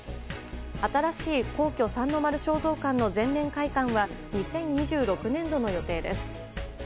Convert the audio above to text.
新しい皇居三の丸尚蔵館の全面開館は２０２６年度の予定です。